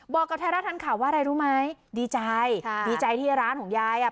บอกกับไทยรัฐทันข่าวว่าอะไรรู้ไหมดีใจค่ะดีใจที่ร้านของยายอ่ะ